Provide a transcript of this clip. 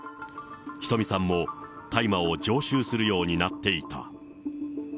ひとみさんも大麻を常習するようになっていた。